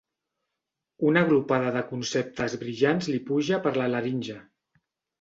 Una glopada de conceptes brillants li puja per la laringe.